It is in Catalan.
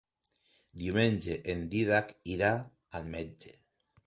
Diumenge en Dídac irà al metge.